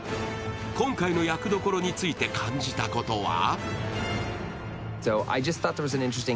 今回の役どころについて感じたことは？